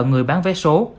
người bán vé số